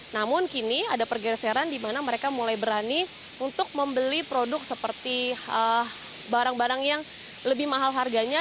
namun kini ada pergeseran di mana mereka mulai berani untuk membeli produk seperti barang barang yang lebih mahal harganya